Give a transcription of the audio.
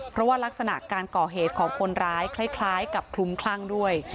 เพราะว่ารักษณะการก่อเหตุของคนร้ายคล้ายกับคลุมคลั่งด้วย